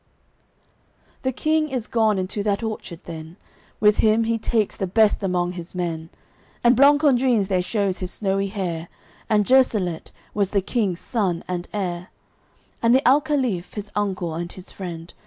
XXXVIII The King is gone into that orchard then; With him he takes the best among his men; And Blancandrins there shews his snowy hair, And Jursalet, was the King's son and heir, And the alcaliph, his uncle and his friend.